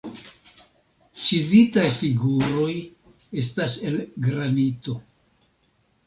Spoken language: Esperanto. Ĉizitaj figuroj estas el granito.